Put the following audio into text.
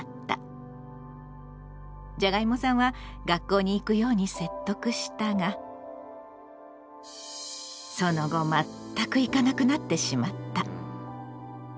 じゃがいもさんは学校に行くように説得したがその後全く行かなくなってしまった。